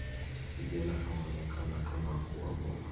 Vijana huonekana kama wakuu wa boma